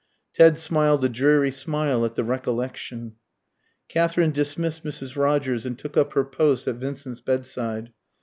Ted smiled a dreary smile at the recollection. Katherine dismissed Mrs. Rogers and took up her post at Vincent's bedside.